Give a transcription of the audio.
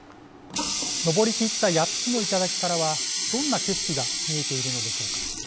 登り切った８つの頂からはどんな景色が見えているのでしょうか。